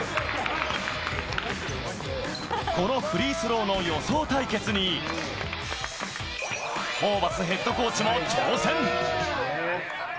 このフリースローの予想対決に、ホーバスヘッドコーチも挑戦。